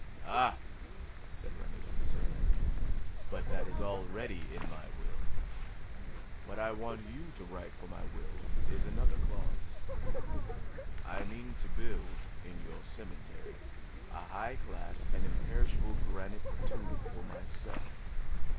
"Ah!" said Remington Solander. "But that is already in my will. What I want you to write for my will, is another clause. I mean to build, in your cemetery, a high class and imperishable granite tomb for myself.